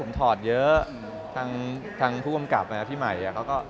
ของที่ฉีดทางผู้กำกับอาทิตย์เป็นที่มาย